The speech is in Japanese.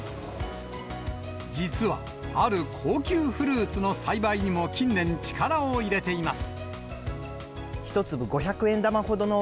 実はある高級フルーツの栽培にも近年、力を入れています。